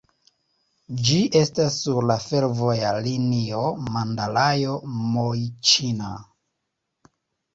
Ĝi estas sur la fervoja linio Mandalajo-Mjiĉina.